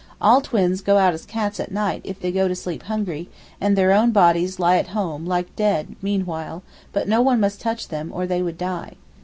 All twins go out as cats at night if they go to sleep hungry; and their own bodies lie at home like dead meanwhile, but no one must touch them, or they would die.